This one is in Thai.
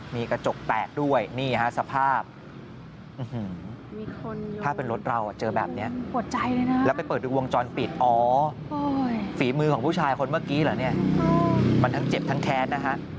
เมื่อกี้หรือมันทั้งเจ็บทั้งแท้นะฮะ